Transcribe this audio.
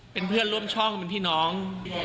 เป็นเพื่อนร่วมช่องเป็นพี่น้อง